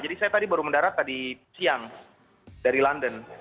jadi saya tadi baru mendarat tadi siang dari london